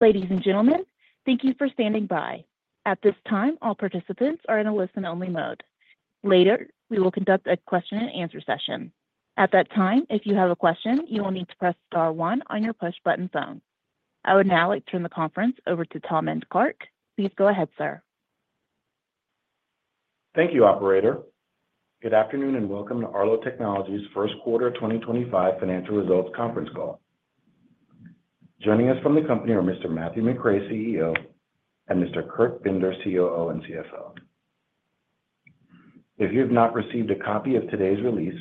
Ladies and gentlemen, thank you for standing by. At this time, all participants are in a listen-only mode. Later, we will conduct a question-and-answer session. At that time, if you have a question, you will need to press star one on your push-button phone. I would now like to turn the conference over to Tahmin Clarke. Please go ahead, sir. Thank you, Operator. Good afternoon and welcome to Arlo Technologies' first quarter 2025 financial results conference call. Joining us from the company are Mr. Matthew McRae, CEO, and Mr. Kurt Binder, COO and CFO. If you have not received a copy of today's release,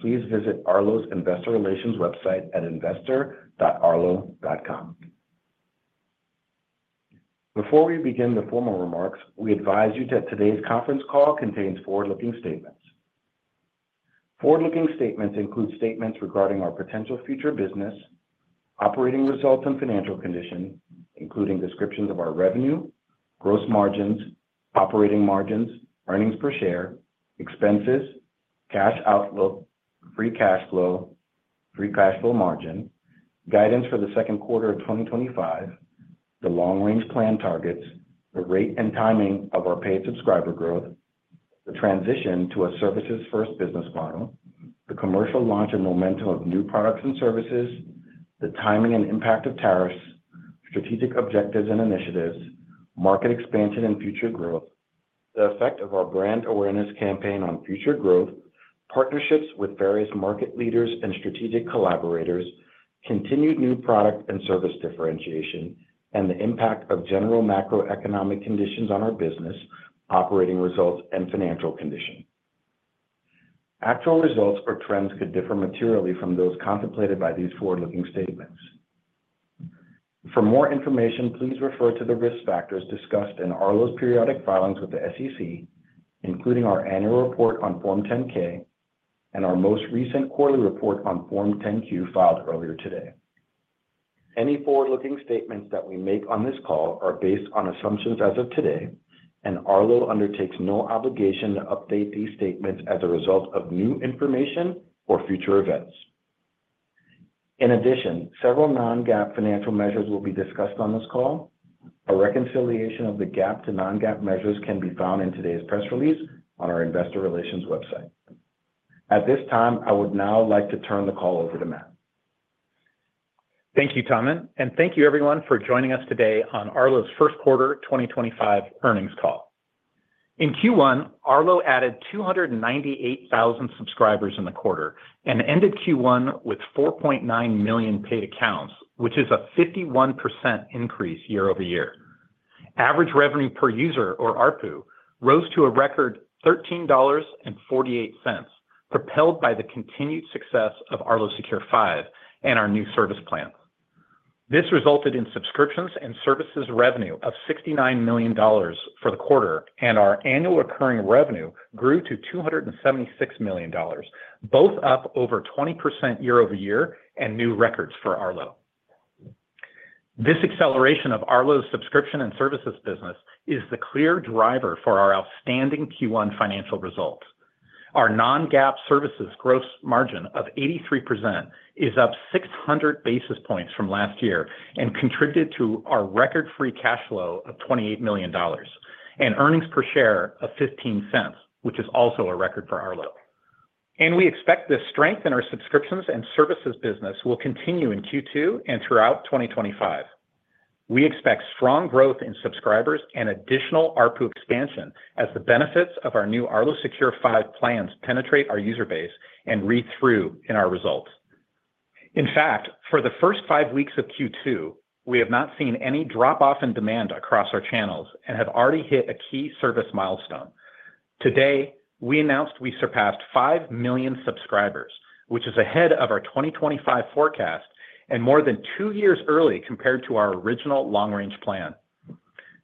please visit Arlo's Investor Relations website at investor.arlo.com. Before we begin the formal remarks, we advise you that today's conference call contains forward-looking statements. Forward-looking statements include statements regarding our potential future business, operating results, and financial condition, including descriptions of our revenue, gross margins, operating margins, earnings per share, expenses, cash outlook, free cash flow, free cash flow margin, guidance for the second quarter of 2025, the long-range plan targets, the rate and timing of our paid subscriber growth, the transition to a services-first business model, the commercial launch and momentum of new products and services, the timing and impact of tariffs, strategic objectives and initiatives, market expansion and future growth, the effect of our brand awareness campaign on future growth, partnerships with various market leaders and strategic collaborators, continued new product and service differentiation, and the impact of general macroeconomic conditions on our business, operating results, and financial condition. Actual results or trends could differ materially from those contemplated by these forward-looking statements. For more information, please refer to the risk factors discussed in Arlo's periodic filings with the SEC, including our annual report on Form 10-K and our most recent quarterly report on Form 10-Q filed earlier today. Any forward-looking statements that we make on this call are based on assumptions as of today, and Arlo undertakes no obligation to update these statements as a result of new information or future events. In addition, several non-GAAP financial measures will be discussed on this call. A reconciliation of the GAAP to non-GAAP measures can be found in today's press release on our Investor Relations website. At this time, I would now like to turn the call over to Matt. Thank you, Tahmin, and thank you, everyone, for joining us today on Arlo's first quarter 2025 earnings call. In Q1, Arlo added 298,000 subscribers in the quarter and ended Q1 with 4.9 million paid accounts, which is a 51% increase year over year. Average revenue per user, or ARPU, rose to a record $13.48, propelled by the continued success of Arlo Secure 5 and our new service plans. This resulted in subscriptions and services revenue of $69 million for the quarter, and our annual recurring revenue grew to $276 million, both up over 20% year over year and new records for Arlo. This acceleration of Arlo's subscription and services business is the clear driver for our outstanding Q1 financial results. Our non-GAAP services gross margin of 83% is up 600 basis points from last year and contributed to our record free cash flow of $28 million and earnings per share of $0.15, which is also a record for Arlo. We expect this strength in our subscriptions and services business will continue in Q2 and throughout 2025. We expect strong growth in subscribers and additional ARPU expansion as the benefits of our new Arlo Secure 5 plans penetrate our user base and read through in our results. In fact, for the first five weeks of Q2, we have not seen any drop-off in demand across our channels and have already hit a key service milestone. Today, we announced we surpassed 5 million subscribers, which is ahead of our 2025 forecast and more than two years early compared to our original long-range plan.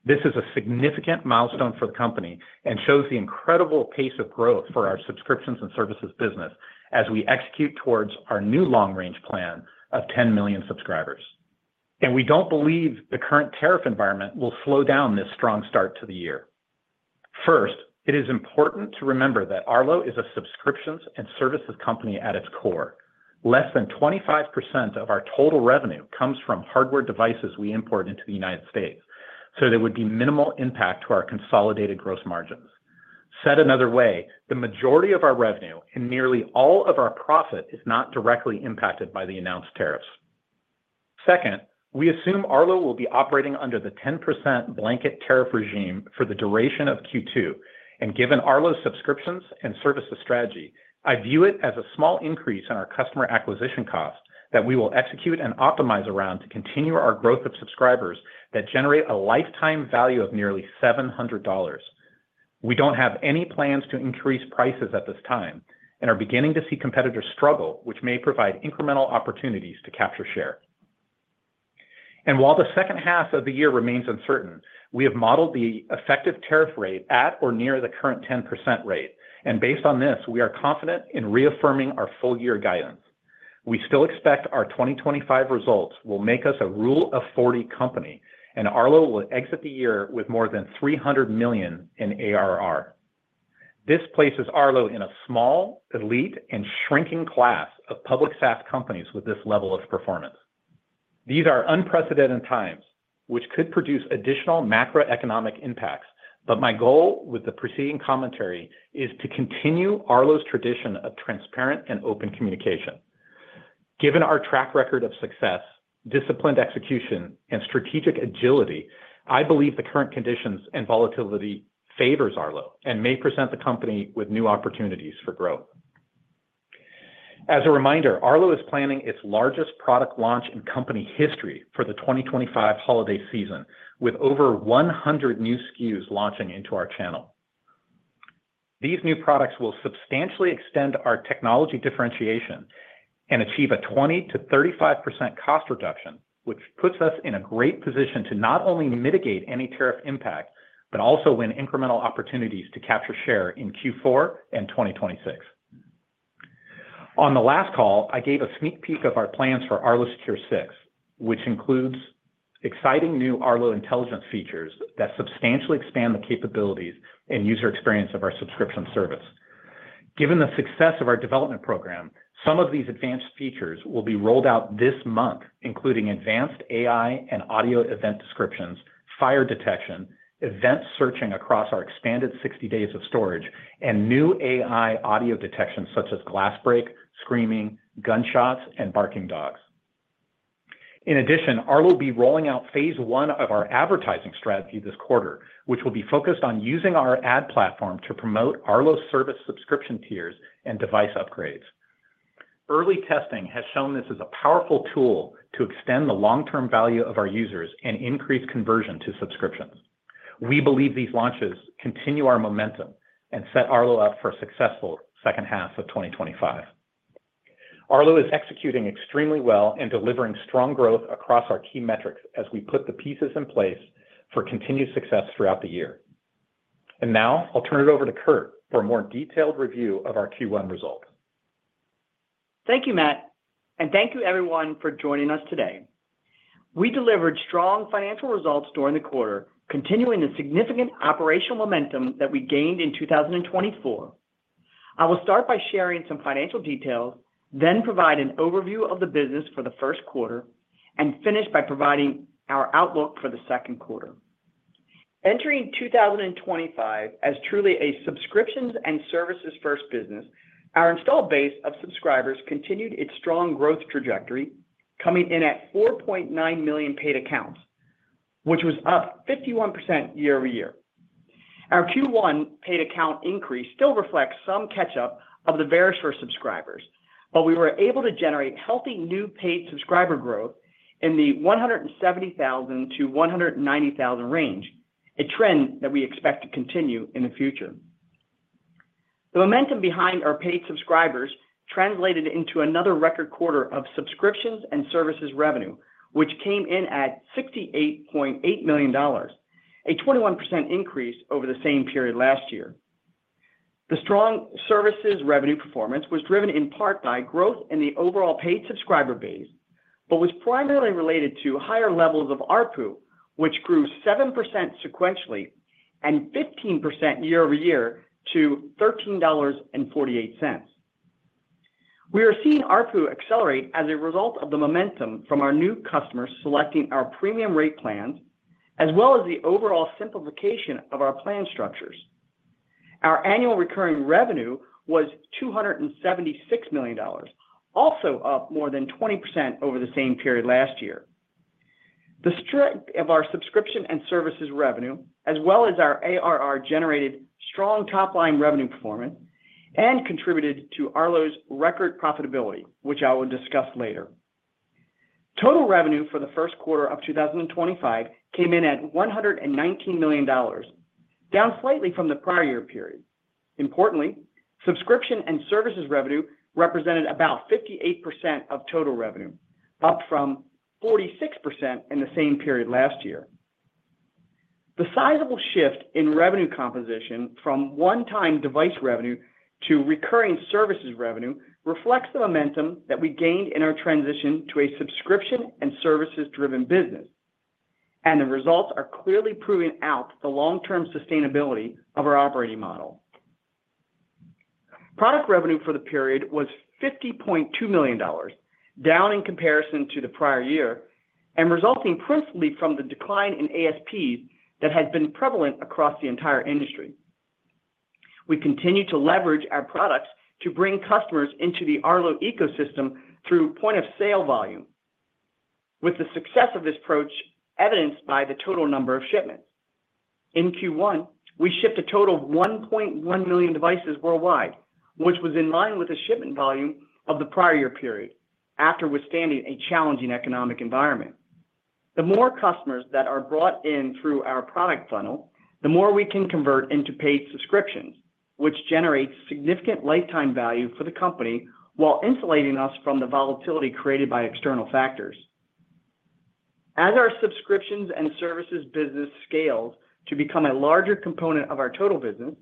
This is a significant milestone for the company and shows the incredible pace of growth for our subscriptions and services business as we execute towards our new long-range plan of 10 million subscribers. We do not believe the current tariff environment will slow down this strong start to the year. First, it is important to remember that Arlo is a subscriptions and services company at its core. Less than 25% of our total revenue comes from hardware devices we import into the United States, so there would be minimal impact to our consolidated gross margins. Said another way, the majority of our revenue and nearly all of our profit is not directly impacted by the announced tariffs. Second, we assume Arlo will be operating under the 10% blanket tariff regime for the duration of Q2. Given Arlo's subscriptions and services strategy, I view it as a small increase in our customer acquisition costs that we will execute and optimize around to continue our growth of subscribers that generate a lifetime value of nearly $700. We do not have any plans to increase prices at this time and are beginning to see competitors struggle, which may provide incremental opportunities to capture share. While the second half of the year remains uncertain, we have modeled the effective tariff rate at or near the current 10% rate. Based on this, we are confident in reaffirming our full-year guidance. We still expect our 2025 results will make us a rule-of-40 company, and Arlo will exit the year with more than $300 million in ARR. This places Arlo in a small, elite, and shrinking class of public SaaS companies with this level of performance. These are unprecedented times, which could produce additional macroeconomic impacts, but my goal with the preceding commentary is to continue Arlo's tradition of transparent and open communication. Given our track record of success, disciplined execution, and strategic agility, I believe the current conditions and volatility favor Arlo and may present the company with new opportunities for growth. As a reminder, Arlo is planning its largest product launch in company history for the 2025 holiday season, with over 100 new SKUs launching into our channel. These new products will substantially extend our technology differentiation and achieve a 20%-35% cost reduction, which puts us in a great position to not only mitigate any tariff impact, but also win incremental opportunities to capture share in Q4 and 2026. On the last call, I gave a sneak peek of our plans for Arlo Secure 6, which includes exciting new Arlo intelligence features that substantially expand the capabilities and user experience of our subscription service. Given the success of our development program, some of these advanced features will be rolled out this month, including advanced AI and audio event descriptions, fire detection, event searching across our expanded 60 days of storage, and new AI audio detection such as glass break, screaming, gunshots, and barking dogs. In addition, Arlo will be rolling out phase one of our advertising strategy this quarter, which will be focused on using our ad platform to promote Arlo's service subscription tiers and device upgrades. Early testing has shown this is a powerful tool to extend the long-term value of our users and increase conversion to subscriptions. We believe these launches continue our momentum and set Arlo up for a successful second half of 2025. Arlo is executing extremely well and delivering strong growth across our key metrics as we put the pieces in place for continued success throughout the year. I will now turn it over to Kurt for a more detailed review of our Q1 results. Thank you, Matt, and thank you, everyone, for joining us today. We delivered strong financial results during the quarter, continuing the significant operational momentum that we gained in 2024. I will start by sharing some financial details, then provide an overview of the business for the first quarter, and finish by providing our outlook for the second quarter. Entering 2025 as truly a subscriptions and services-first business, our installed base of subscribers continued its strong growth trajectory, coming in at 4.9 million paid accounts, which was up 51% year over year. Our Q1 paid account increase still reflects some catch-up of the various subscribers, but we were able to generate healthy new paid subscriber growth in the 170,000-190,000 range, a trend that we expect to continue in the future. The momentum behind our paid subscribers translated into another record quarter of subscriptions and services revenue, which came in at $68.8 million, a 21% increase over the same period last year. The strong services revenue performance was driven in part by growth in the overall paid subscriber base, but was primarily related to higher levels of ARPU, which grew 7% sequentially and 15% year over year to $13.48. We are seeing ARPU accelerate as a result of the momentum from our new customers selecting our premium rate plans, as well as the overall simplification of our plan structures. Our annual recurring revenue was $276 million, also up more than 20% over the same period last year. The strength of our subscription and services revenue, as well as our ARR-generated strong top-line revenue performance, contributed to Arlo's record profitability, which I will discuss later. Total revenue for the first quarter of 2025 came in at $119 million, down slightly from the prior year period. Importantly, subscription and services revenue represented about 58% of total revenue, up from 46% in the same period last year. The sizable shift in revenue composition from one-time device revenue to recurring services revenue reflects the momentum that we gained in our transition to a subscription and services-driven business, and the results are clearly proving out the long-term sustainability of our operating model. Product revenue for the period was $50.2 million, down in comparison to the prior year, and resulting principally from the decline in ASPs that has been prevalent across the entire industry. We continue to leverage our products to bring customers into the Arlo ecosystem through point-of-sale volume, with the success of this approach evidenced by the total number of shipments. In Q1, we shipped a total of 1.1 million devices worldwide, which was in line with the shipment volume of the prior year period, after withstanding a challenging economic environment. The more customers that are brought in through our product funnel, the more we can convert into paid subscriptions, which generates significant lifetime value for the company while insulating us from the volatility created by external factors. As our subscriptions and services business scales to become a larger component of our total business,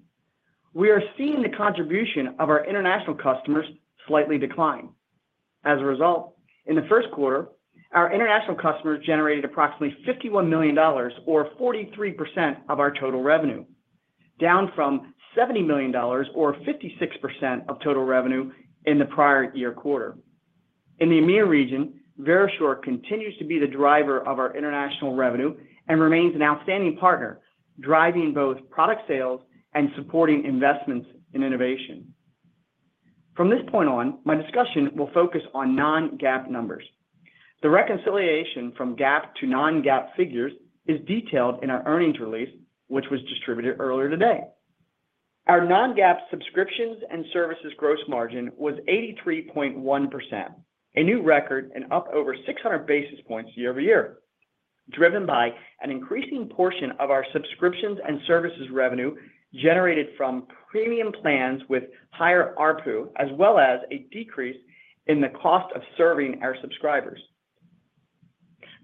we are seeing the contribution of our international customers slightly decline. As a result, in the first quarter, our international customers generated approximately $51 million, or 43% of our total revenue, down from $70 million, or 56% of total revenue in the prior year quarter. In the EMEA region, Verisure continues to be the driver of our international revenue and remains an outstanding partner, driving both product sales and supporting investments in innovation. From this point on, my discussion will focus on non-GAAP numbers. The reconciliation from GAAP to non-GAAP figures is detailed in our earnings release, which was distributed earlier today. Our non-GAAP subscriptions and services gross margin was 83.1%, a new record and up over 600 basis points year over year, driven by an increasing portion of our subscriptions and services revenue generated from premium plans with higher ARPU, as well as a decrease in the cost of serving our subscribers.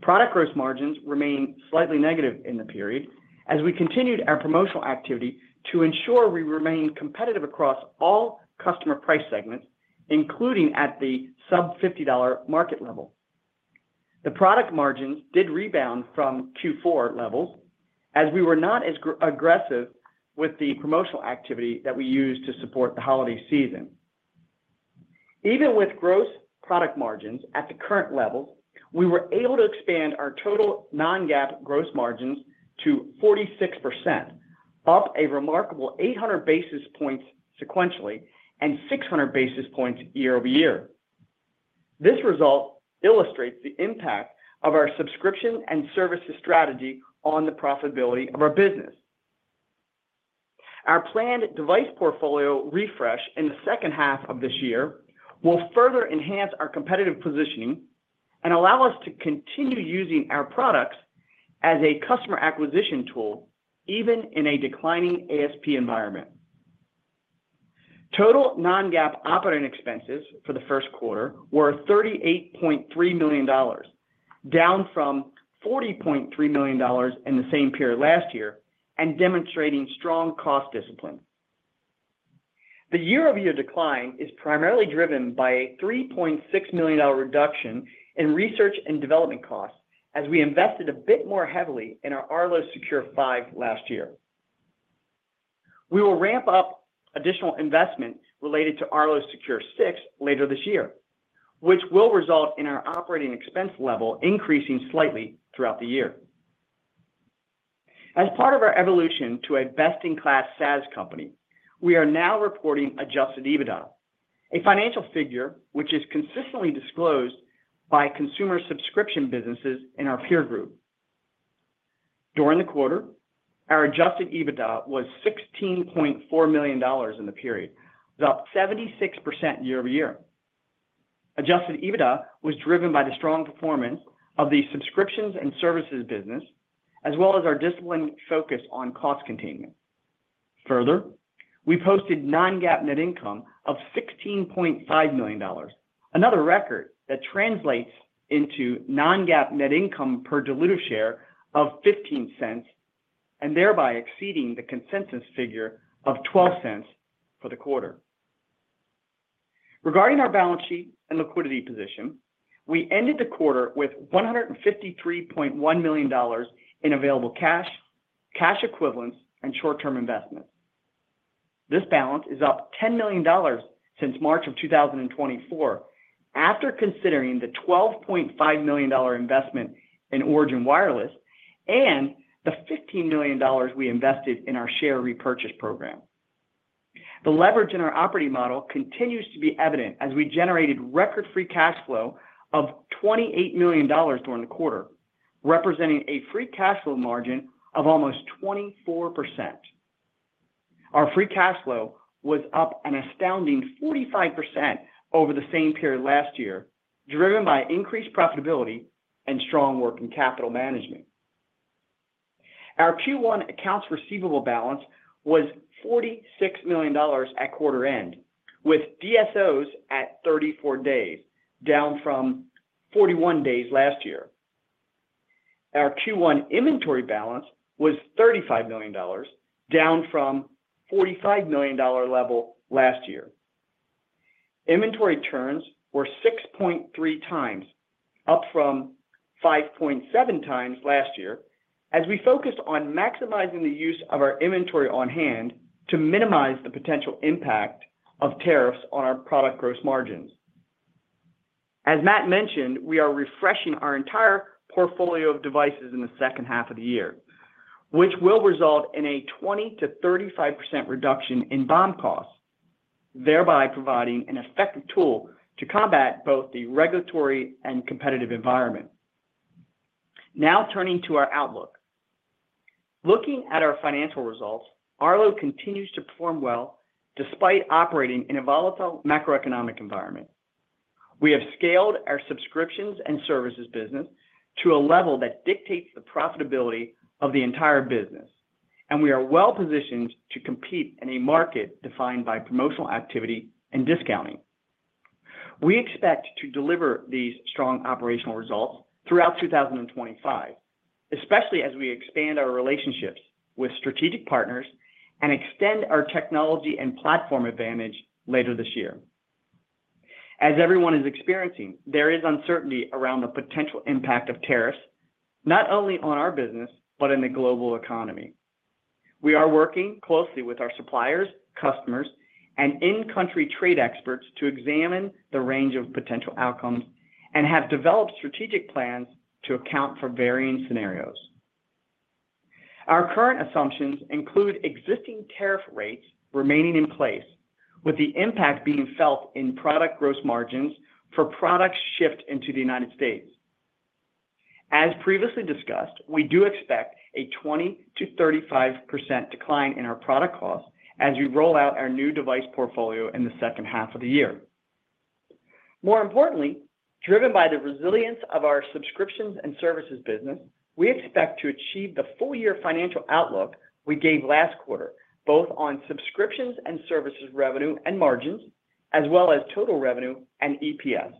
Product gross margins remained slightly negative in the period as we continued our promotional activity to ensure we remained competitive across all customer price segments, including at the sub-$50 market level. The product margins did rebound from Q4 levels as we were not as aggressive with the promotional activity that we used to support the holiday season. Even with gross product margins at the current levels, we were able to expand our total non-GAAP gross margins to 46%, up a remarkable 800 basis points sequentially and 600 basis points year over year. This result illustrates the impact of our subscription and services strategy on the profitability of our business. Our planned device portfolio refresh in the second half of this year will further enhance our competitive positioning and allow us to continue using our products as a customer acquisition tool, even in a declining ASP environment. Total non-GAAP operating expenses for the first quarter were $38.3 million, down from $40.3 million in the same period last year, and demonstrating strong cost discipline. The year-over-year decline is primarily driven by a $3.6 million reduction in research and development costs as we invested a bit more heavily in our Arlo Secure 5 last year. We will ramp up additional investment related to Arlo Secure 6 later this year, which will result in our operating expense level increasing slightly throughout the year. As part of our evolution to a best-in-class SaaS company, we are now reporting adjusted EBITDA, a financial figure which is consistently disclosed by consumer subscription businesses in our peer group. During the quarter, our adjusted EBITDA was $16.4 million in the period, up 76% year over year. Adjusted EBITDA was driven by the strong performance of the subscriptions and services business, as well as our disciplined focus on cost containment. Further, we posted non-GAAP net income of $16.5 million, another record that translates into non-GAAP net income per diluted share of $0.15, and thereby exceeding the consensus figure of $0.12 for the quarter. Regarding our balance sheet and liquidity position, we ended the quarter with $153.1 million in available cash, cash equivalents, and short-term investments. This balance is up $10 million since March of 2024, after considering the $12.5 million investment in Origin Wireless and the $15 million we invested in our share repurchase program. The leverage in our operating model continues to be evident as we generated record free cash flow of $28 million during the quarter, representing a free cash flow margin of almost 24%. Our free cash flow was up an astounding 45% over the same period last year, driven by increased profitability and strong working capital management. Our Q1 accounts receivable balance was $46 million at quarter end, with DSOs at 34 days, down from 41 days last year. Our Q1 inventory balance was $35 million, down from the $45 million level last year. Inventory turns were 6.3 times, up from 5.7 times last year, as we focused on maximizing the use of our inventory on hand to minimize the potential impact of tariffs on our product gross margins. As Matt mentioned, we are refreshing our entire portfolio of devices in the second half of the year, which will result in a 20%-35% reduction in BOM costs, thereby providing an effective tool to combat both the regulatory and competitive environment. Now turning to our outlook. Looking at our financial results, Arlo continues to perform well despite operating in a volatile macroeconomic environment. We have scaled our subscriptions and services business to a level that dictates the profitability of the entire business, and we are well positioned to compete in a market defined by promotional activity and discounting. We expect to deliver these strong operational results throughout 2025, especially as we expand our relationships with strategic partners and extend our technology and platform advantage later this year. As everyone is experiencing, there is uncertainty around the potential impact of tariffs, not only on our business but in the global economy. We are working closely with our suppliers, customers, and in-country trade experts to examine the range of potential outcomes and have developed strategic plans to account for varying scenarios. Our current assumptions include existing tariff rates remaining in place, with the impact being felt in product gross margins for products shipped into the U.S. As previously discussed, we do expect a 20%-35% decline in our product costs as we roll out our new device portfolio in the second half of the year. More importantly, driven by the resilience of our subscriptions and services business, we expect to achieve the full-year financial outlook we gave last quarter, both on subscriptions and services revenue and margins, as well as total revenue and EPS.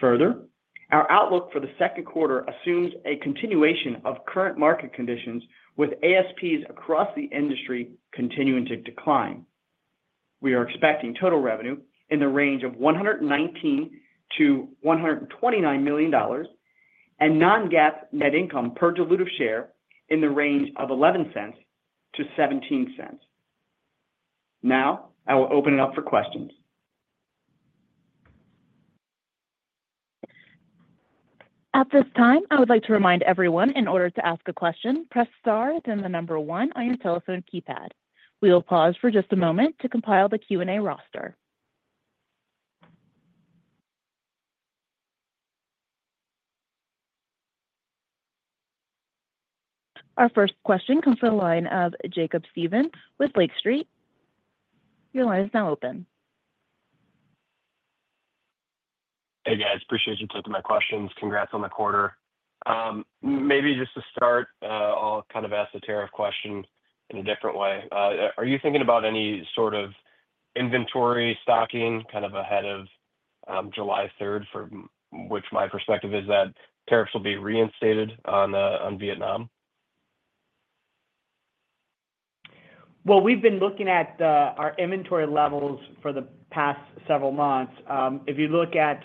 Further, our outlook for the second quarter assumes a continuation of current market conditions, with ASPs across the industry continuing to decline. We are expecting total revenue in the range of $119 million-$129 million and non-GAAP net income per diluted share in the range of $0.11-$0.17. Now, I will open it up for questions. At this time, I would like to remind everyone, in order to ask a question, press star, then the number one on your telephone keypad. We will pause for just a moment to compile the Q&A roster. Our first question comes from the line of Jacob Steven with Lake Street. Your line is now open. Hey, guys. Appreciate you taking my questions. Congrats on the quarter. Maybe just to start, I'll kind of ask the tariff question in a different way. Are you thinking about any sort of inventory stocking kind of ahead of July 3rd, for which my perspective is that tariffs will be reinstated on Vietnam? We've been looking at our inventory levels for the past several months. If you look at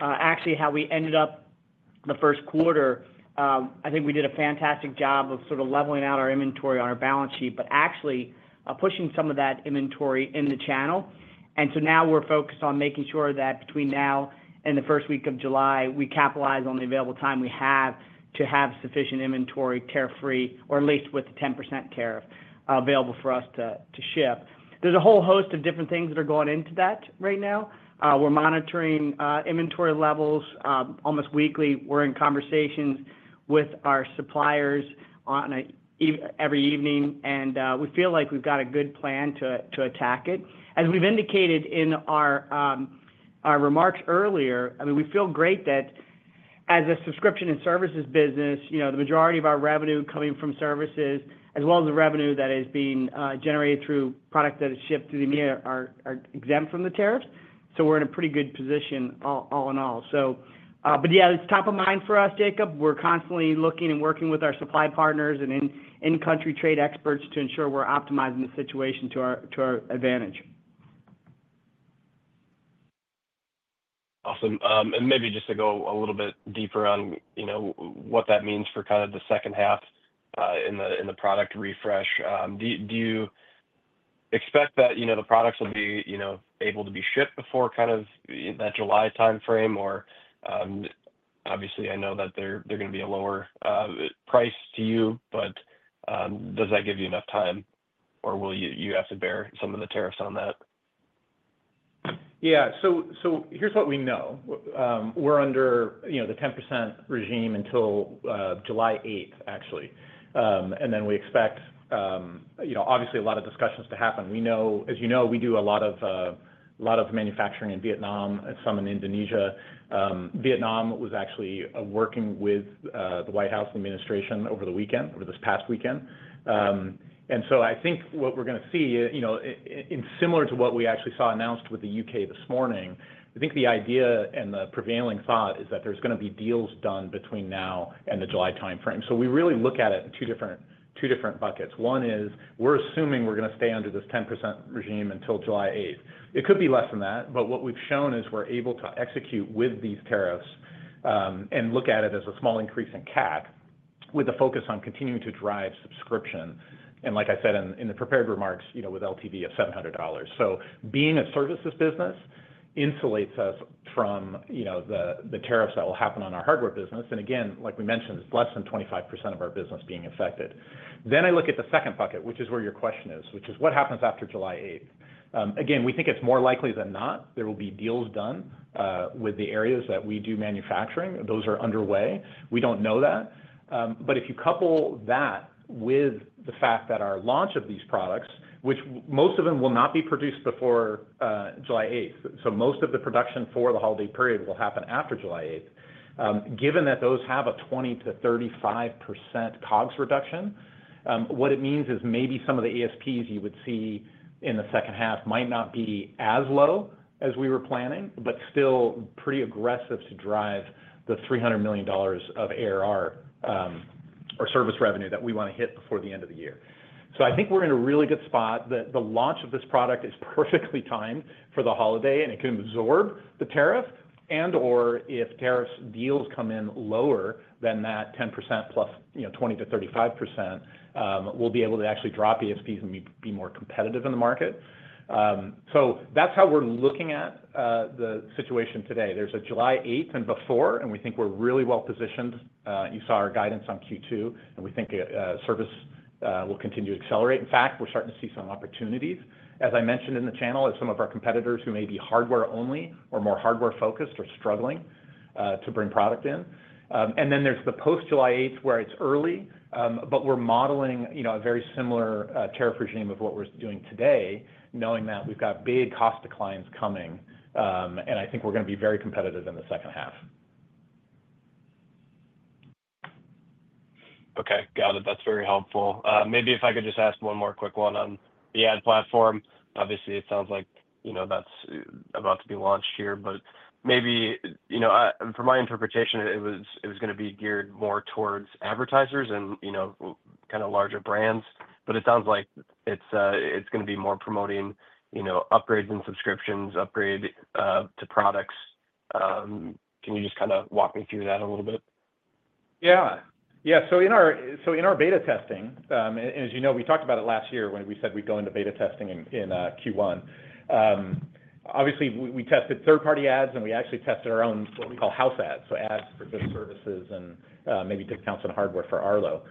actually how we ended up the first quarter, I think we did a fantastic job of sort of leveling out our inventory on our balance sheet, but actually pushing some of that inventory in the channel. Now we're focused on making sure that between now and the first week of July, we capitalize on the available time we have to have sufficient inventory tariff-free, or at least with the 10% tariff available for us to ship. There's a whole host of different things that are going into that right now. We're monitoring inventory levels almost weekly. We're in conversations with our suppliers every evening, and we feel like we've got a good plan to attack it. As we've indicated in our remarks earlier, I mean, we feel great that as a subscription and services business, the majority of our revenue coming from services, as well as the revenue that is being generated through product that is shipped through the EMEA, are exempt from the tariffs. We are in a pretty good position all in all. Yeah, it's top of mind for us, Jacob. We are constantly looking and working with our supply partners and in-country trade experts to ensure we are optimizing the situation to our advantage. Awesome. Maybe just to go a little bit deeper on what that means for kind of the second half in the product refresh, do you expect that the products will be able to be shipped before kind of that July timeframe? Or obviously, I know that they're going to be a lower price to you, but does that give you enough time, or will you have to bear some of the tariffs on that? Yeah. So here's what we know. We're under the 10% regime until July 8th, actually. Then we expect, obviously, a lot of discussions to happen. As you know, we do a lot of manufacturing in Vietnam and some in Indonesia. Vietnam was actually working with the White House administration over the weekend, over this past weekend. I think what we're going to see, similar to what we actually saw announced with the U.K. this morning, the idea and the prevailing thought is that there's going to be deals done between now and the July timeframe. We really look at it in two different buckets. One is we're assuming we're going to stay under this 10% regime until July 8th. It could be less than that, but what we've shown is we're able to execute with these tariffs and look at it as a small increase in CAC, with a focus on continuing to drive subscription. Like I said in the prepared remarks, with LTV of $700. Being a services business insulates us from the tariffs that will happen on our hardware business. Again, like we mentioned, it's less than 25% of our business being affected. I look at the second bucket, which is where your question is, which is what happens after July 8th? Again, we think it's more likely than not there will be deals done with the areas that we do manufacturing. Those are underway. We don't know that. If you couple that with the fact that our launch of these products, which most of them will not be produced before July 8th, most of the production for the holiday period will happen after July 8th, given that those have a 20%-35% COGS reduction, what it means is maybe some of the ASPs you would see in the second half might not be as low as we were planning, but still pretty aggressive to drive the $300 million of ARR or service revenue that we want to hit before the end of the year. I think we're in a really good spot. The launch of this product is perfectly timed for the holiday, and it can absorb the tariff. If tariff deals come in lower than that 10% plus 20%-35%, we'll be able to actually drop ASPs and be more competitive in the market. That is how we're looking at the situation today. There is a July 8th and before, and we think we're really well positioned. You saw our guidance on Q2, and we think service will continue to accelerate. In fact, we're starting to see some opportunities, as I mentioned in the channel, as some of our competitors who may be hardware-only or more hardware-focused are struggling to bring product in. There is the post-July 8th where it's early, but we're modeling a very similar tariff regime to what we're doing today, knowing that we've got big cost declines coming, and I think we're going to be very competitive in the second half. Okay. Got it. That's very helpful. Maybe if I could just ask one more quick one on the ad platform. Obviously, it sounds like that's about to be launched here, but maybe for my interpretation, it was going to be geared more towards advertisers and kind of larger brands. It sounds like it's going to be more promoting upgrades and subscriptions, upgrade to products. Can you just kind of walk me through that a little bit? Yeah. Yeah. In our beta testing, and as you know, we talked about it last year when we said we'd go into beta testing in Q1. We tested third-party ads, and we actually tested our own what we call house ads, so ads for good services and maybe discounts on hardware for Arlo.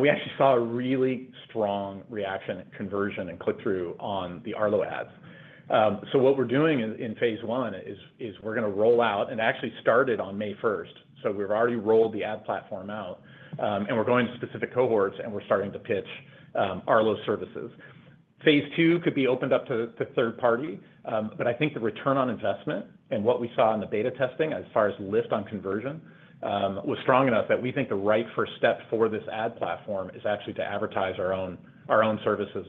We actually saw a really strong reaction, conversion, and click-through on the Arlo ads. What we're doing in phase one is we're going to roll out, and it actually started on May 1st. We've already rolled the ad platform out, and we're going to specific cohorts, and we're starting to pitch Arlo services. Phase two could be opened up to third-party, but I think the return on investment and what we saw in the beta testing as far as lift on conversion was strong enough that we think the right first step for this ad platform is actually to advertise our own services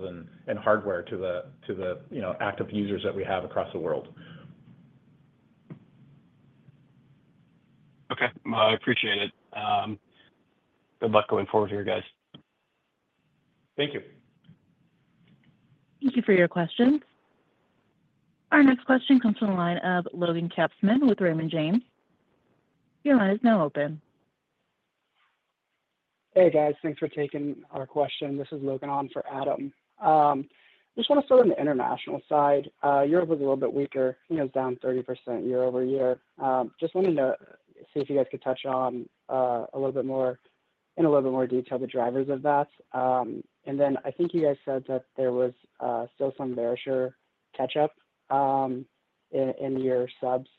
and hardware to the active users that we have across the world. Okay. I appreciate it. Good luck going forward here, guys. Thank you. Thank you for your questions. Our next question comes from the line of Logan Katzman with Raymond James. Your line is now open. Hey, guys. Thanks for taking our question. This is Logan on for Adam. Just want to start on the international side. Europe was a little bit weaker. It was down 30% year over year. Just wanted to see if you guys could touch on a little bit more in a little bit more detail the drivers of that. I think you guys said that there was still some Verisure catch-up in your subs.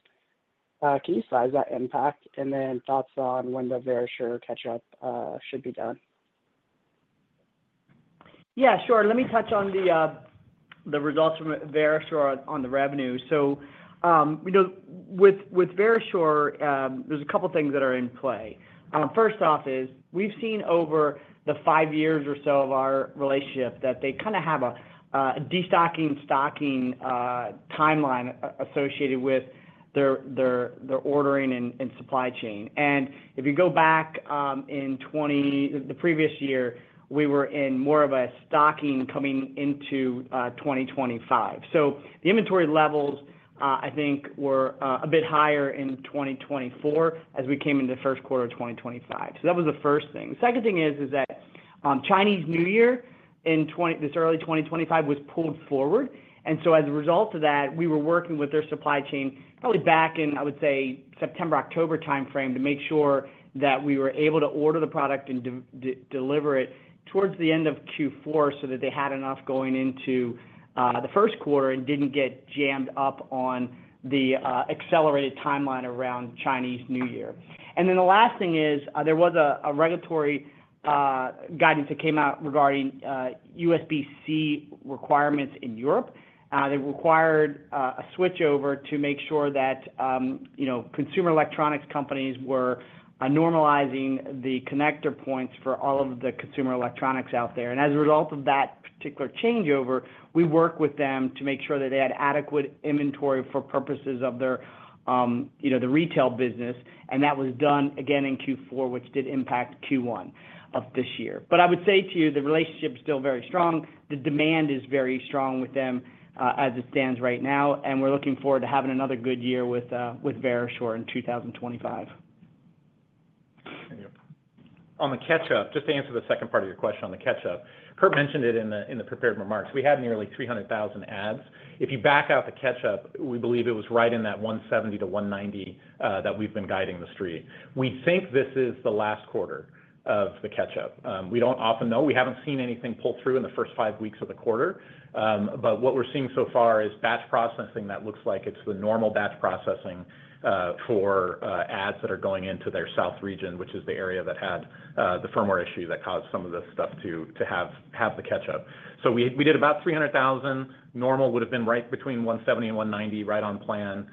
Can you slide that impact and then thoughts on when the Verisure catch-up should be done? Yeah. Sure. Let me touch on the results from Verisure on the revenue. With Verisure, there's a couple of things that are in play. First off is we've seen over the five years or so of our relationship that they kind of have a destocking, stocking timeline associated with their ordering and supply chain. If you go back in the previous year, we were in more of a stocking coming into 2025. The inventory levels, I think, were a bit higher in 2024 as we came into the first quarter of 2025. That was the first thing. The second thing is that Chinese New Year in this early 2025 was pulled forward. As a result of that, we were working with their supply chain probably back in, I would say, September, October timeframe to make sure that we were able to order the product and deliver it towards the end of Q4 so that they had enough going into the first quarter and did not get jammed up on the accelerated timeline around Chinese New Year. The last thing is there was a regulatory guidance that came out regarding USB-C requirements in Europe. They required a switchover to make sure that consumer electronics companies were normalizing the connector points for all of the consumer electronics out there. As a result of that particular changeover, we worked with them to make sure that they had adequate inventory for purposes of the retail business. That was done again in Q4, which did impact Q1 of this year. I would say to you, the relationship is still very strong. The demand is very strong with them as it stands right now. We are looking forward to having another good year with Verisure in 2025. On the catch-up, just to answer the second part of your question on the catch-up, Kurt mentioned it in the prepared remarks. We had nearly 300,000 ads. If you back out the catch-up, we believe it was right in that 170,000 to 190,000 that we have been guiding the street. We think this is the last quarter of the catch-up. We do not often know. We have not seen anything pull through in the first five weeks of the quarter. What we are seeing so far is batch processing that looks like it is the normal batch processing for ads that are going into their South region, which is the area that had the firmware issue that caused some of this stuff to have the catch-up. We did about 300,000. Normal would have been right between 170,000 and 190,000, right on plan.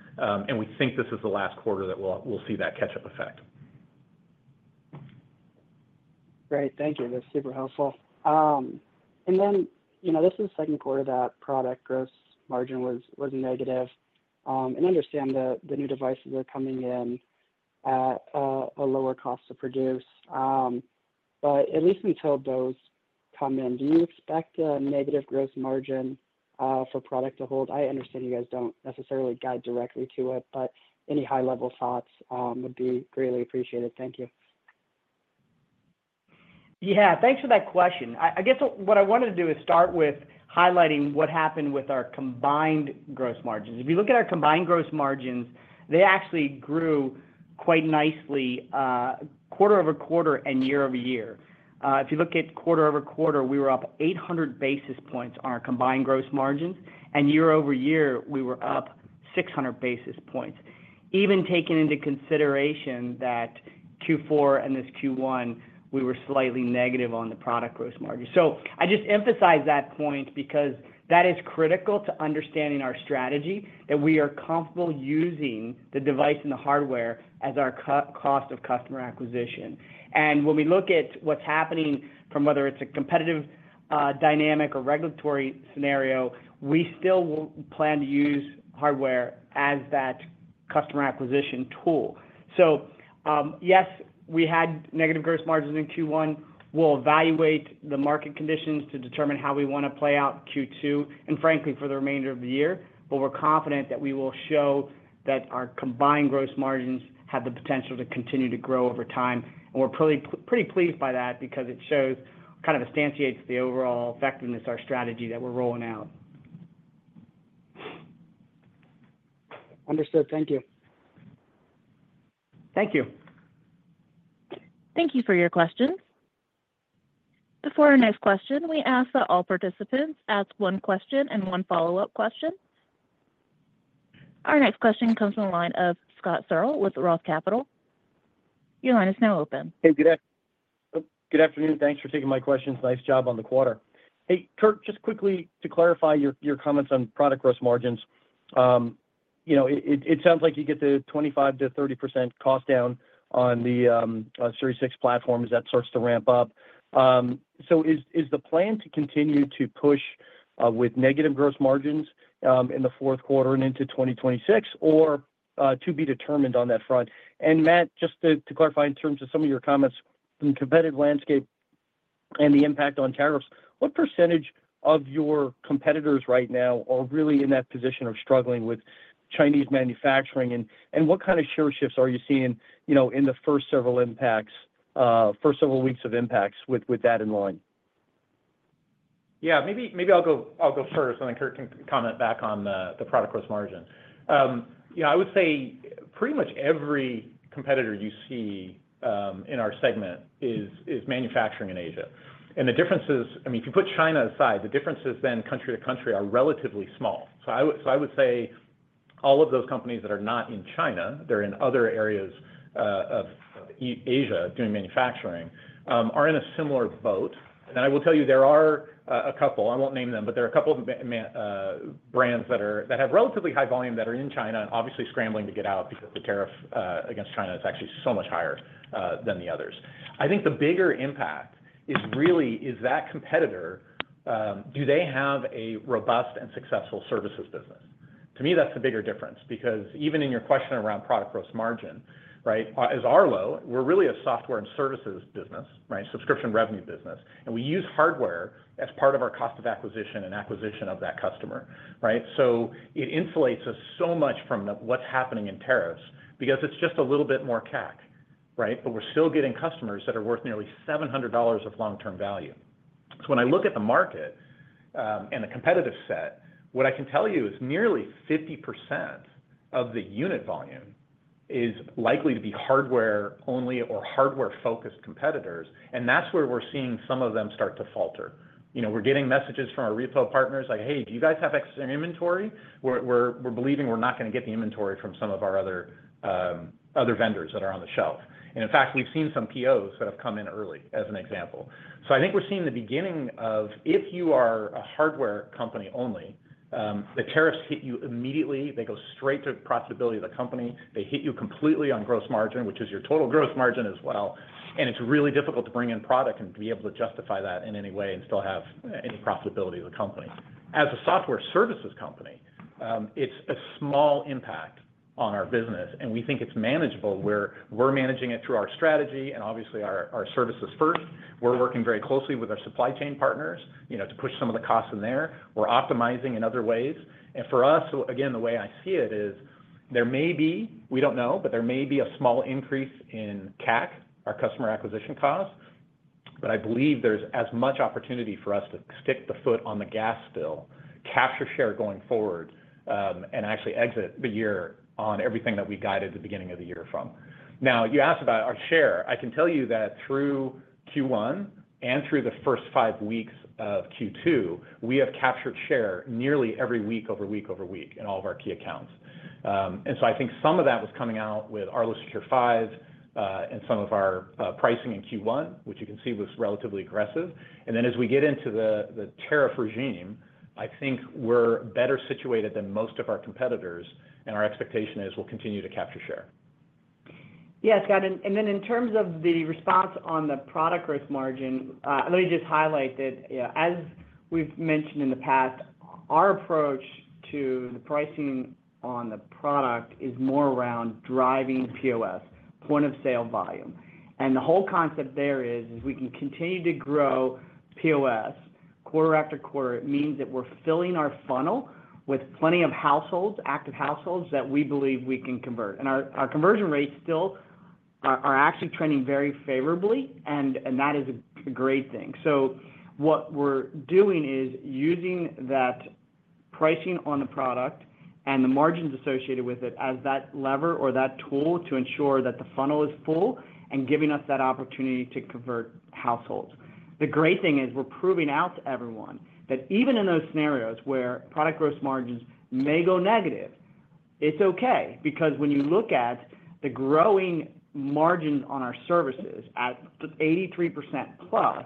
We think this is the last quarter that we will see that catch-up effect. Great. Thank you. That is super helpful. This is the second quarter that product gross margin was negative. I understand that the new devices are coming in at a lower cost to produce. At least until those come in, do you expect a negative gross margin for product to hold? I understand you guys do not necessarily guide directly to it, but any high-level thoughts would be greatly appreciated. Thank you. Yeah. Thanks for that question. I guess what I wanted to do is start with highlighting what happened with our combined gross margins. If you look at our combined gross margins, they actually grew quite nicely quarter over quarter and year over year. If you look at quarter over quarter, we were up 800 basis points on our combined gross margins. And year over year, we were up 600 basis points. Even taking into consideration that Q4 and this Q1, we were slightly negative on the product gross margin. I just emphasize that point because that is critical to understanding our strategy that we are comfortable using the device and the hardware as our cost of customer acquisition. When we look at what's happening from whether it's a competitive dynamic or regulatory scenario, we still plan to use hardware as that customer acquisition tool. Yes, we had negative gross margins in Q1. We'll evaluate the market conditions to determine how we want to play out Q2 and, frankly, for the remainder of the year. We're confident that we will show that our combined gross margins have the potential to continue to grow over time. We're pretty pleased by that because it shows kind of stanchietes[instantiates] the overall effectiveness of our strategy that we're rolling out. Understood. Thank you. Thank you. Thank you for your questions. Before our next question, we ask that all participants ask one question and one follow-up question. Our next question comes from the line of Scott Searle with Roth Capital. Your line is now open. Hey. Good afternoon. Thanks for taking my questions. Nice job on the quarter. Hey, Kurt, just quickly to clarify your comments on product gross margins. It sounds like you get the 25%-30% cost down on the Series 6 platform as that starts to ramp up. Is the plan to continue to push with negative gross margins in the fourth quarter and into 2026, or to be determined on that front? Matt, just to clarify in terms of some of your comments from the competitive landscape and the impact on tariffs, what percentage of your competitors right now are really in that position of struggling with Chinese manufacturing? What kind of share shifts are you seeing in the first several weeks of impacts with that in line? Yeah. Maybe I'll go first, and then Kurt can comment back on the product gross margin. I would say pretty much every competitor you see in our segment is manufacturing in Asia. The difference is, I mean, if you put China aside, the differences then country to country are relatively small. I would say all of those companies that are not in China, they're in other areas of Asia doing manufacturing, are in a similar boat. I will tell you, there are a couple—I won't name them—but there are a couple of brands that have relatively high volume that are in China and obviously scrambling to get out because the tariff against China is actually so much higher than the others. I think the bigger impact really is that competitor, do they have a robust and successful services business? To me, that's the bigger difference because even in your question around product gross margin, right, as Arlo, we're really a software and services business, right, subscription revenue business. We use hardware as part of our cost of acquisition and acquisition of that customer, right? It insulates us so much from what's happening in tariffs because it's just a little bit more CAC, right? We're still getting customers that are worth nearly $700 of long-term value. When I look at the market and the competitive set, what I can tell you is nearly 50% of the unit volume is likely to be hardware-only or hardware-focused competitors. That's where we're seeing some of them start to falter. We're getting messages from our retail partners like, "Hey, do you guys have extra inventory? We're believing we're not going to get the inventory from some of our other vendors that are on the shelf." In fact, we've seen some POs that have come in early as an example. I think we're seeing the beginning of if you are a hardware company only, the tariffs hit you immediately. They go straight to profitability of the company. They hit you completely on gross margin, which is your total gross margin as well. It's really difficult to bring in product and be able to justify that in any way and still have any profitability of the company. As a software services company, it's a small impact on our business. We think it's manageable. We're managing it through our strategy and obviously our services first. We're working very closely with our supply chain partners to push some of the costs in there. We're optimizing in other ways. For us, again, the way I see it is there may be—we don't know—but there may be a small increase in CAC, our customer acquisition cost. I believe there's as much opportunity for us to stick the foot on the gas still, capture share going forward, and actually exit the year on everything that we guided the beginning of the year from. You asked about our share. I can tell you that through Q1 and through the first five weeks of Q2, we have captured share nearly every week over week over week in all of our key accounts. I think some of that was coming out with Arlo Secure 5 and some of our pricing in Q1, which you can see was relatively aggressive. As we get into the tariff regime, I think we're better situated than most of our competitors. Our expectation is we'll continue to capture share. Yes, got it. In terms of the response on the product gross margin, let me just highlight that as we've mentioned in the past, our approach to the pricing on the product is more around driving POS, point of sale volume. The whole concept there is we can continue to grow POS quarter after quarter. It means that we're filling our funnel with plenty of households, active households that we believe we can convert. Our conversion rates still are actually trending very favorably. That is a great thing. What we're doing is using that pricing on the product and the margins associated with it as that lever or that tool to ensure that the funnel is full and giving us that opportunity to convert households. The great thing is we're proving out to everyone that even in those scenarios where product gross margins may go negative, it's okay because when you look at the growing margin on our services at 83% plus,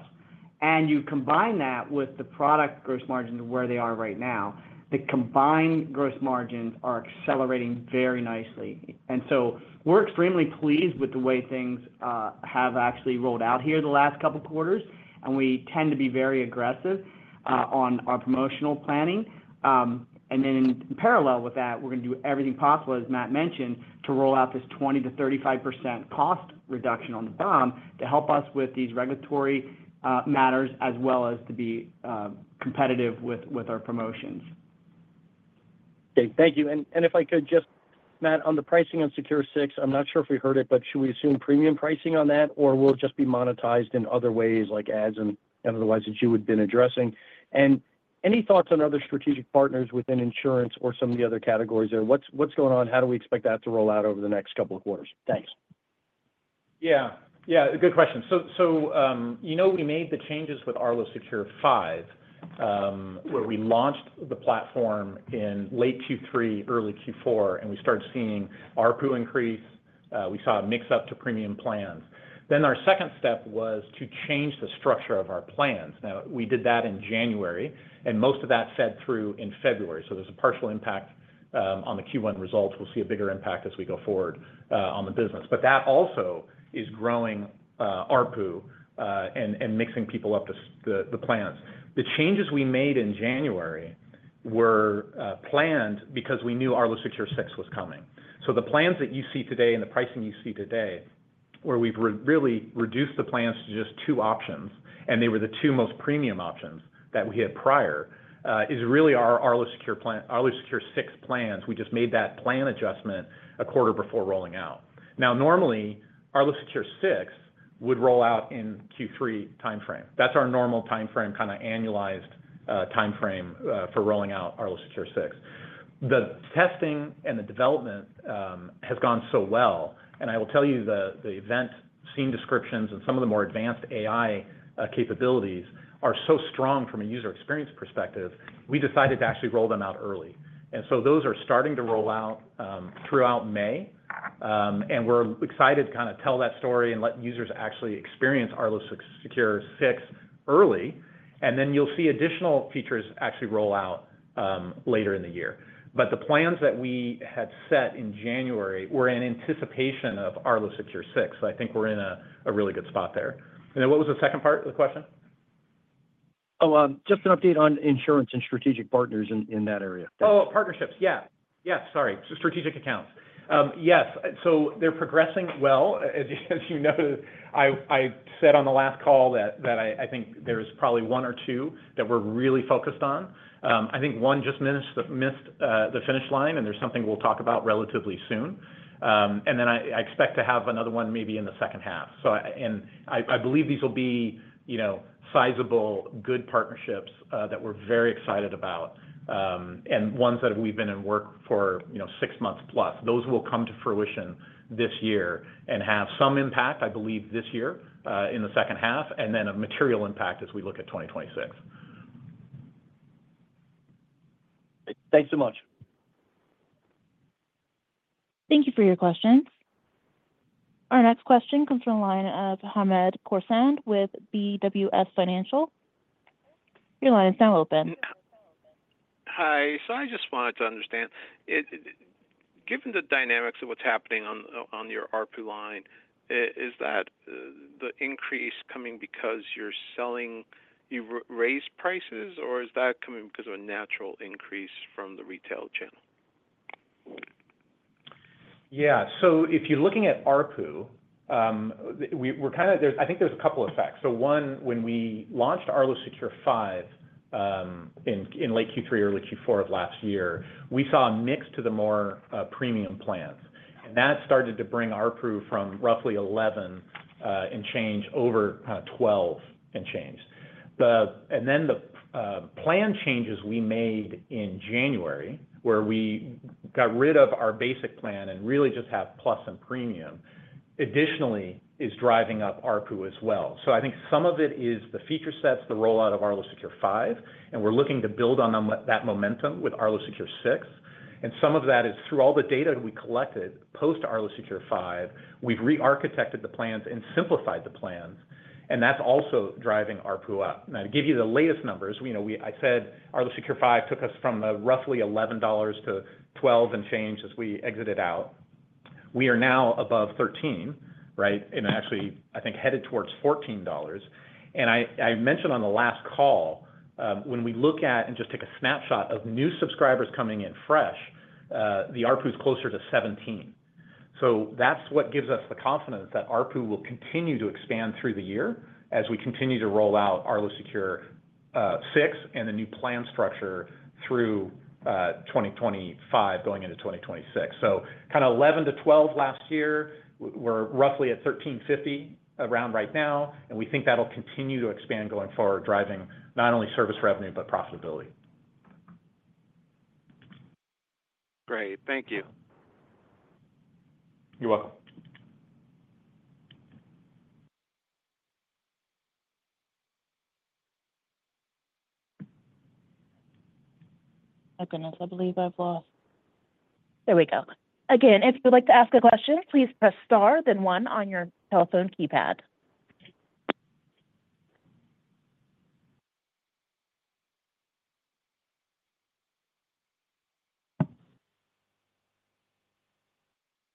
and you combine that with the product gross margins where they are right now, the combined gross margins are accelerating very nicely. We are extremely pleased with the way things have actually rolled out here the last couple of quarters. We tend to be very aggressive on our promotional planning. Then in parallel with that, we're going to do everything possible, as Matt mentioned, to roll out this 20-35% cost reduction on the BOM to help us with these regulatory matters as well as to be competitive with our promotions. Okay. Thank you. If I could just, Matt, on the pricing on Secure 6, I'm not sure if we heard it, but should we assume premium pricing on that, or will it just be monetized in other ways like ads and otherwise that you had been addressing? Any thoughts on other strategic partners within insurance or some of the other categories there? What's going on? How do we expect that to roll out over the next couple of quarters? Thanks. Yeah. Yeah. Good question. We made the changes with Arlo Secure 5 where we launched the platform in late Q3, early Q4, and we started seeing ARPU increase. We saw a mix-up to premium plans. Then our second step was to change the structure of our plans. We did that in January, and most of that fed through in February. There is a partial impact on the Q1 results. We will see a bigger impact as we go forward on the business. That also is growing ARPU and mixing people up the plans. The changes we made in January were planned because we knew Arlo Secure 6 was coming. The plans that you see today and the pricing you see today where we've really reduced the plans to just two options, and they were the two most premium options that we had prior, is really our Arlo Secure 6 plans. We just made that plan adjustment a quarter before rolling out. Normally, Arlo Secure 6 would roll out in Q3 timeframe. That's our normal timeframe, kind of annualized timeframe for rolling out Arlo Secure 6. The testing and the development has gone so well. I will tell you the event scene descriptions and some of the more advanced AI capabilities are so strong from a user experience perspective, we decided to actually roll them out early. Those are starting to roll out throughout May. We're excited to kind of tell that story and let users actually experience Arlo Secure 6 early. You will see additional features actually roll out later in the year. The plans that we had set in January were in anticipation of Arlo Secure 6. I think we are in a really good spot there. What was the second part of the question? Oh, just an update on insurance and strategic partners in that area. Oh, partnerships. Yeah. Sorry. Strategic accounts. Yes. They are progressing well. As you noted, I said on the last call that I think there is probably one or two that we are really focused on. I think one just missed the finish line, and there is something we will talk about relatively soon. I expect to have another one maybe in the second half. I believe these will be sizable, good partnerships that we are very excited about and ones that we have been in work for six months plus. Those will come to fruition this year and have some impact, I believe, this year in the second half and then a material impact as we look at 2026. Thanks so much. Thank you for your questions. Our next question comes from the line of Hamed Khorsand with BWS Financial. Your line is now open. Hi. So I just wanted to understand, given the dynamics of what's happening on your ARPU line, is that the increase coming because you've raised prices, or is that coming because of a natural increase from the retail channel? Yeah. So if you're looking at ARPU, we're kind of—I think there's a couple of effects. One, when we launched Arlo Secure 5 in late Q3, early Q4 of last year, we saw a mix to the more premium plans. That started to bring ARPU from roughly $11 and change over kind of $12 and change. The plan changes we made in January, where we got rid of our basic plan and really just have Plus and Premium, additionally is driving up ARPU as well. I think some of it is the feature sets, the rollout of Arlo Secure 5, and we are looking to build on that momentum with Arlo Secure 6. Some of that is through all the data we collected post-Arlo Secure 5, we have re-architected the plans and simplified the plans. That is also driving ARPU up. Now, to give you the latest numbers, I said Arlo Secure 5 took us from roughly $11 to $12 and change as we exited out. We are now above $13, right? Actually, I think headed towards $14. I mentioned on the last call, when we look at and just take a snapshot of new subscribers coming in fresh, the ARPU is closer to 17. That is what gives us the confidence that ARPU will continue to expand through the year as we continue to roll out Arlo Secure 6 and the new plan structure through 2025, going into 2026. Kind of 11 to 12 last year, we are roughly at $13.50 around right now. We think that will continue to expand going forward, driving not only service revenue but profitability. Great. Thank you. You are welcome. Oh, goodness. I believe I have lost. There we go. Again, if you would like to ask a question, please press star, then one on your telephone keypad.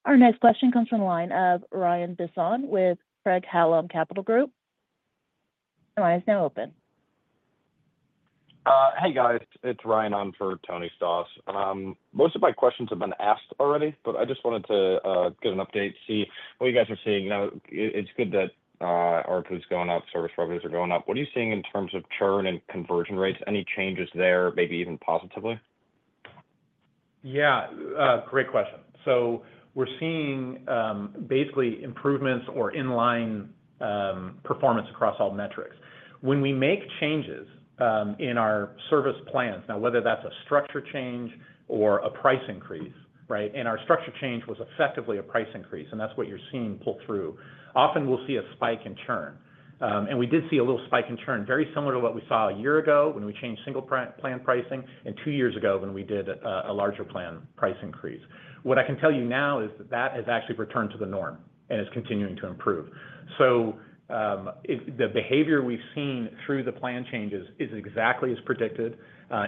Our next question comes from the line of Rian Bisson with Craig-Hallum Capital Group. The line is now open. Hey, guys. It's Rian on for Tony Stoss. Most of my questions have been asked already, but I just wanted to get an update, see what you guys are seeing. It's good that ARPU is going up. Service revenues are going up. What are you seeing in terms of churn and conversion rates? Any changes there, maybe even positively? Yeah. Great question. So we're seeing basically improvements or inline performance across all metrics. When we make changes in our service plans, now, whether that's a structure change or a price increase, right? And our structure change was effectively a price increase, and that's what you're seeing pull through. Often, we'll see a spike in churn. And we did see a little spike in churn, very similar to what we saw a year ago when we changed single plan pricing and two years ago when we did a larger plan price increase. What I can tell you now is that that has actually returned to the norm and is continuing to improve. The behavior we have seen through the plan changes is exactly as predicted.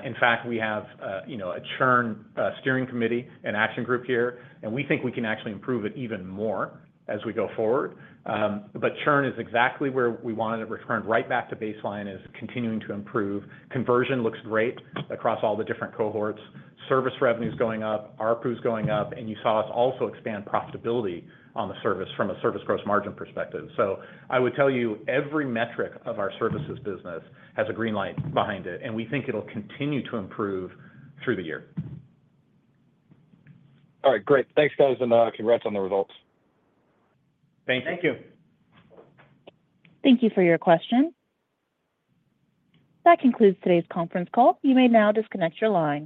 In fact, we have a churn steering committee, an action group here, and we think we can actually improve it even more as we go forward. Churn is exactly where we wanted it, returned right back to baseline, and is continuing to improve. Conversion looks great across all the different cohorts. Service revenue is going up. ARPU is going up. You saw us also expand profitability on the service from a service gross margin perspective. I would tell you every metric of our services business has a green light behind it. We think it will continue to improve through the year. All right. Great. Thanks, guys. And congrats on the results. Thank you. Thank you. Thank you for your question. That concludes today's conference call. You may now disconnect your line.